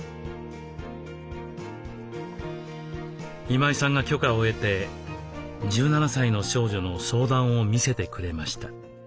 今井さんが許可を得て１７歳の少女の相談を見せてくれました。